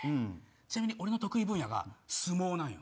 ちなみに俺の得意分野が相撲なんよ。